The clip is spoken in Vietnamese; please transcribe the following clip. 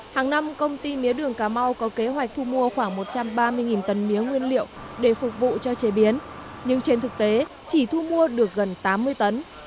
hàng năm công ty mía đường cà mau có kế hoạch thu mua khoảng một trăm ba mươi tấn mía nguyên liệu để phục vụ cho chế biến nhưng trên thực tế chỉ thu mua được gần tám mươi tấn